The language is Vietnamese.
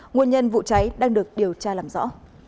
nguồn nhân vụ cháy đang được điều tra làm rõ